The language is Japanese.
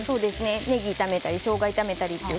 ねぎを炒めたりしょうがを炒めてみたりする